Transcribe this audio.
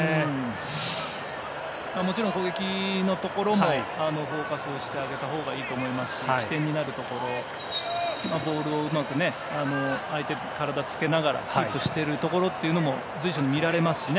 もちろん、攻撃のところもフォーカスしてあげたほうがいいと思いますし起点になるところでボールをうまく相手の体につけながらキープしているところも随所に見られますしね。